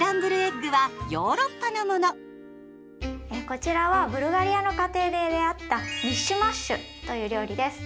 こちらはブルガリアの家庭で出会ったミッシュマッシュという料理です。